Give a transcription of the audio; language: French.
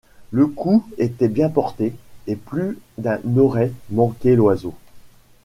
Le coup était bien porté, et plus d’un aurait manqué l’oiseau.